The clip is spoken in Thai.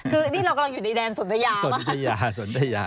คือนี่เรากำลังอยู่ในแดนสนทยามาก